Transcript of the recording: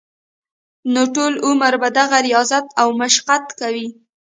نو ټول عمر به دغه رياضت او مشقت کوي -